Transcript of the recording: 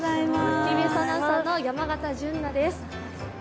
ＴＢＳアナウンサーの山形純菜です。